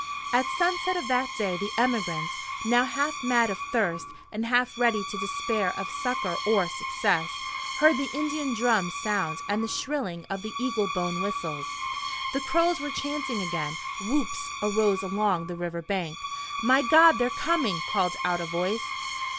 At sunset of that day the emigrants, now half mad of thirst, and half ready to despair of succor or success, heard the Indian drums sound and the shrilling of the eagle bone whistles. The Crows were chanting again. Whoops arose along the river bank. "My God! they're coming!" called out a voice.